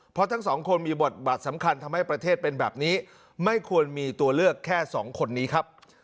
เพราะทั้งสองคนมีบทบาทสำคัญทำให้ประเทศเป็นแบบนี้ไม่ควรมีตัวเลือกแค่สองคนนี้ครับ